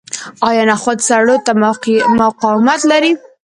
آیا نخود سړو ته مقاومت لري؟